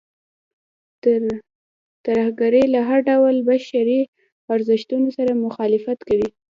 ترهګرۍ له هر ډول بشري ارزښتونو سره مخالفت کوي.